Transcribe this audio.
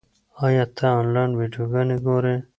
ایا ته آنلاین ویډیوګانې ګورې؟